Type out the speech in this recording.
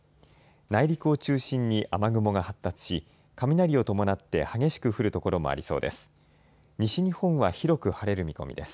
内陸を中心に雨雲が発達し雷を伴って激しく降る所もありそうです。